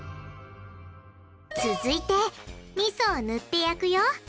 続いてみそを塗って焼くよ。